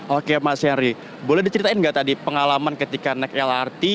oke mas henry boleh diceritain nggak tadi pengalaman ketika naik lrt